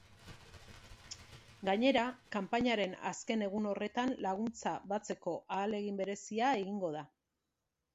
Gainera, kanpainaren azken egun horretan laguntza batzeko ahalegin berezia egingo da.